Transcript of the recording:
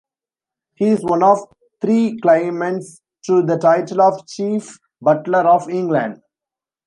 He is one of three claimants to the title of Chief Butler of England.